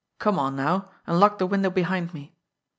Come on now, and lock the window behind me."